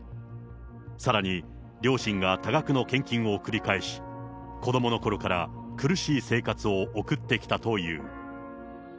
さらに、両親が多額の献金を繰り返し、子どものころから苦しい生活を送ってきたという。